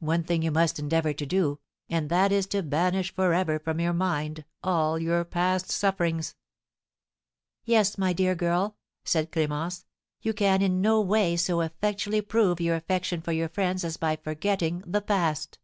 One thing you must endeavour to do, and that is to banish for ever from your mind all your past sufferings." "Yes, my dear girl," said Clémence, "you can in no way so effectually prove your affection for your friends as by forgetting the past."